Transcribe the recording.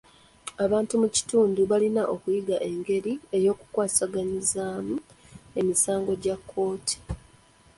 Abantu mu kitundu balina okuyiiya engeri y'okukwasaganyamu emisango gya kkooti.